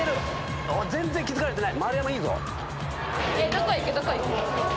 せいや全然気付かれてない。